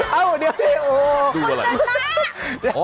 เอ้าเดี๋ยวดูอะไร